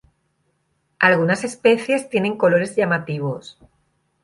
Algunas especies tienen colores llamativos.